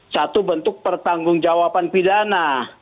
satu bentuk pertanggung jawaban pidana